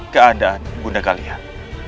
keadaan bunda kalian